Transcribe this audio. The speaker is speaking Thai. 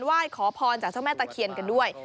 ไหว้ขอพรจากเจ้าแม่ตะเคียนกันด้วย